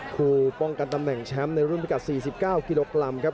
คือป้องกันตำแหน่งแชมป์ในรุ่นพิกัด๔๙กิโลกรัมครับ